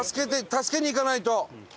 助けに行かないと！